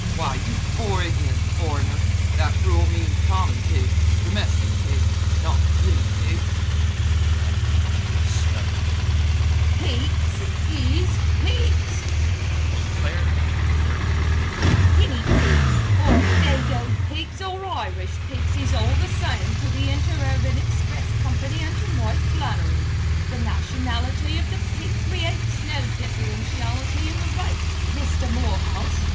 Why, you poor ignorant foreigner, that rule means common pigs, domestic pigs, not guinea pigs!" Flannery was stubborn. "Pigs is pigs," he declared firmly. "Guinea pigs, or dago pigs or Irish pigs is all the same to the Interurban Express Company an' to Mike Flannery. Th' nationality of the pig creates no differentiality in the rate, Misther Morehouse!